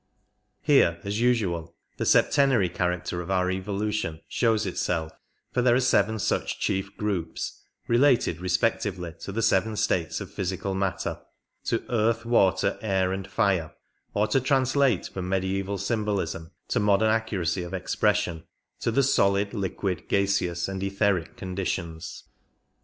Here, as usual, the septenary character of our* evolution shows itself, for there are seven such chief groups, related respectively to the seven states of physical matter — to " earth, water, air and fire," or to translate from mediaeval symbolism to modern accuracy of expression, to the solid, liquid, gaseous and etheric conditions.